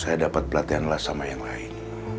saya dapat pelatihan las sama yang lain